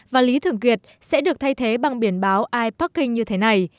và lý thường kiệt sẽ được thay thế bằng biển báo iparking như thế này